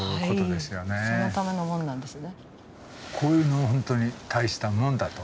そのための門なんですね。